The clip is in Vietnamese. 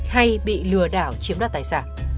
hay bị lừa đảo chiếm đặt tài sản